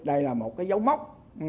đây là một cái dấu mốc